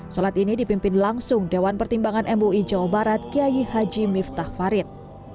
sholat ini dipimpin langsung dewan pertimbangan mui jawa barat kiai haji miftah farid